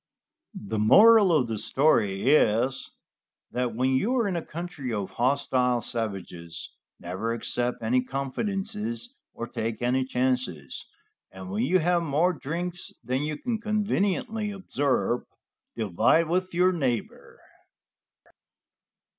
The moral of this story is, that when you are in the country of hostile savages, never accept any confidences or take any chances, and when you have more drinks than you can conveniently absorb, divide with your neighbor.